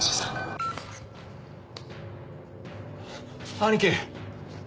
兄貴！